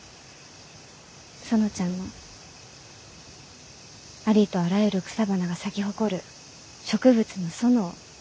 園ちゃんのありとあらゆる草花が咲き誇る植物の園